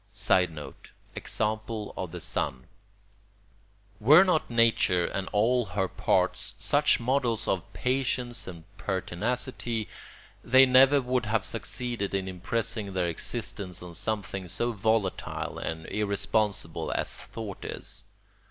[Sidenote: Example of the sun.] Were not Nature and all her parts such models of patience and pertinacity, they never would have succeeded in impressing their existence on something so volatile and irresponsible as thought is.